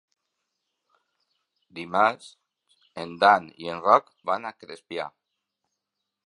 Dimarts en Dan i en Roc van a Crespià.